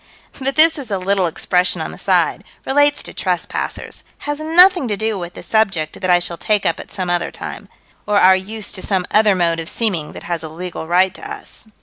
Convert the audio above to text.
But this is a little expression on the side: relates to trespassers; has nothing to do with the subject that I shall take up at some other time or our use to some other mode of seeming that has a legal right to us.